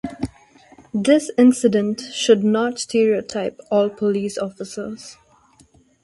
This incident should not stereotype all police officers.